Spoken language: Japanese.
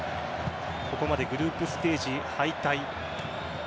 ここまでグループステージ敗退。